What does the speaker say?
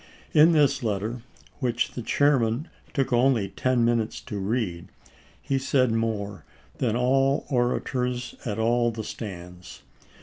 In this letter, which ch. xiii. the chairman took only ten minutes to read, he said more than all the orators at all the stands.